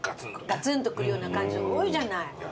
ガツンとくるような感じの多いじゃない。